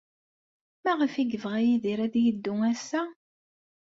Maɣef ay yebɣa Yidir ad yeddu ass-a?